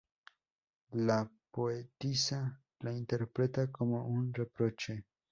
La poetisa la interpreta como un reproche.